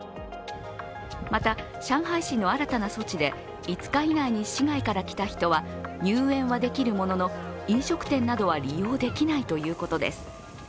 また上海市の新たな措置で５日以内に市外から来た人は入園はできるものの、飲食店などは利用できないということです。